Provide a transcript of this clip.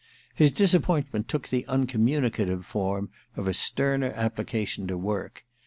His disappointment took the uncommunicative form of a sterner application to work.